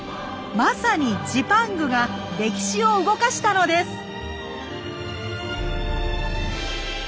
まさにジパングが歴史を動かしたのです！